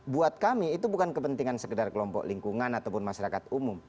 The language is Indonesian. buat kami itu bukan kepentingan sekedar kelompok lingkungan ataupun masyarakat umum